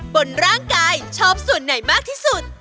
บนร่างกายชอบส่วนไหนมากที่สุด